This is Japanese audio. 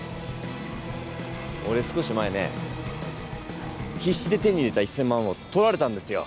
俺少し前ね必死で手に入れた１，０００万を取られたんですよ。